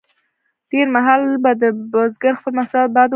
ډیر مهال به د بزګر خپل محصولات باد وړل.